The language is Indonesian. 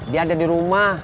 dia ada di rumah